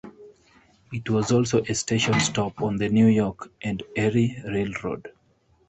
It was also a station stop on the New York and Erie Railroad.